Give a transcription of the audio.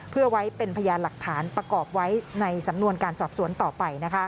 เพื่อไว้เป็นพยานหลักฐานประกอบไว้ในสำนวนการสอบสวนต่อไป